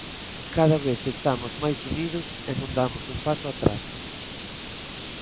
Cada vez estamos máis unidos e non damos un paso atrás.